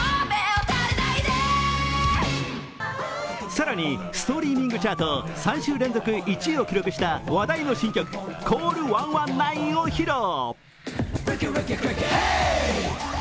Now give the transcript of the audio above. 更に、ストリーミングチャート３週連続１位を記録した話題の新曲、「ＣＡＬＬ１１９」を披露。